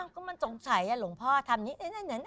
ก็มันสงสัยอ่ะหลวงพ่อทำนี้นั่น